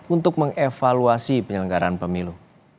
untuk mengevaluasi penyelenggaraan pemilu